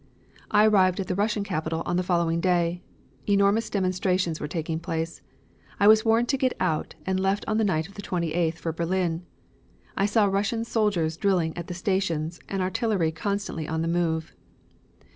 "I arrived at the Russian capital on the following day. Enormous demonstrations were taking place. I was warned to get out and left on the night of the 28th for Berlin. I saw Russian soldiers drilling at the stations and artillery constantly on the move.